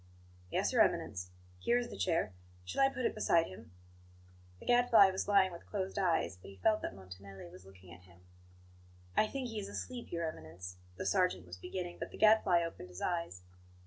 "Yes, Your Eminence. Here is the chair; shall I put it beside him?" The Gadfly was lying with closed eyes; but he felt that Montanelli was looking at him. "I think he is asleep, Your Eminence," the sergeant was beginning, but the Gadfly opened his eyes.